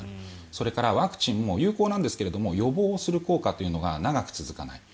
それからワクチンも有効なんですが予防をする効果というのが長く続かない。